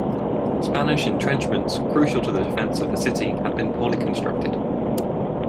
Spanish entrenchments, crucial to the defense of the city, had been poorly constructed.